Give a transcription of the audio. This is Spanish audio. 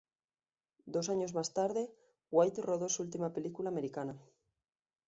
Dos años más tarde, White rodó su última película americana.